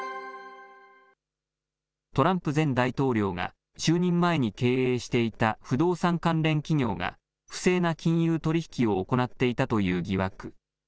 トランプ前大統領が、就任前に経営していた不動産関連企業が、不正な金融取り引きを行っていたという疑惑。